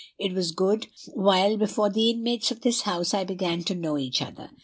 It was a good while before the inmates of this house and I began to know each other.